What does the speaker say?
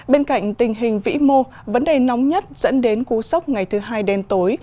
bên cạnh tình hình vĩ mô vấn đề nóng nhất dẫn đến cú sốc ngày thứ hai đêm tối